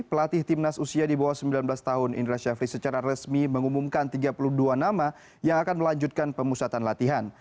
pelatih timnas usia di bawah sembilan belas tahun indra syafri secara resmi mengumumkan tiga puluh dua nama yang akan melanjutkan pemusatan latihan